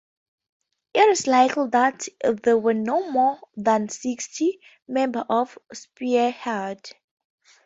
It is likely that there were no more than sixty members of Spearhead.